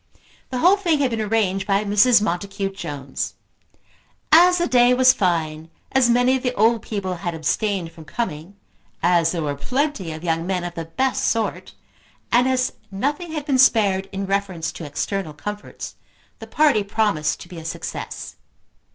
The whole thing had been arranged by Mrs. Montacute Jones. As the day was fine, as many of the old people had abstained from coming, as there were plenty of young men of the best sort, and as nothing had been spared in reference to external comforts, the party promised to be a success.